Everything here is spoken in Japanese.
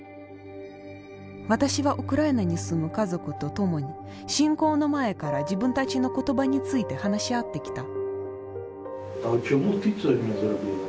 私はウクライナに住む家族と共に侵攻の前から自分たちの言葉について話し合ってきた。